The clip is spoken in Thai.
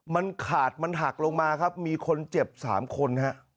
มันขาดมันหักลงมามีคนเจ็บ๓คน